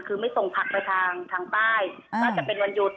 คือไม่ส่งผักไปทางทางใต้ก็จะเป็นวันหยุด